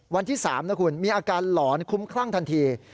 วันที่๓นะคุณมีอาการหลอนคุ้มคลั่งทันที